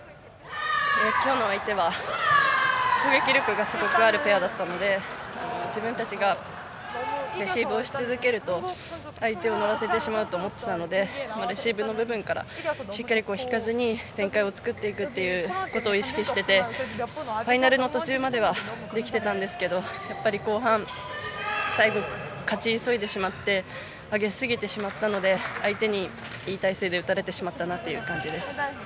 今日の相手は攻撃力がすごくあるペアだったので自分たちがレシーブをし続けると相手を乗らせてしまうと思っていたのでレシーブの部分からしっかり引かずに展開を作っていくということを意識しててファイナルの途中まではできていたんですけど後半、最後勝ち急いでしまって上げすぎてしまったので相手にいい体勢で打たれてしまったという感じです。